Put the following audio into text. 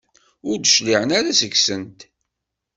Ur d-cliɛen ara seg-sent.